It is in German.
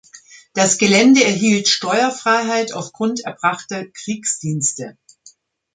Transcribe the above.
Das Gelände erhielt Steuerfreiheit aufgrund erbrachter Kriegsdienste.